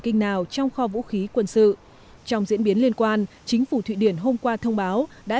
kinh nào trong kho vũ khí quân sự trong diễn biến liên quan chính phủ thụy điển hôm qua thông báo đã